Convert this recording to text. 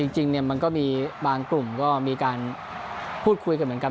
จริงมันก็มีบางกลุ่มก็มีการพูดคุยกันเหมือนกัน